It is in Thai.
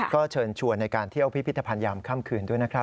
ก็เชิญชวนในการเที่ยวพิพิธภัณฑ์ยามค่ำคืนด้วยนะครับ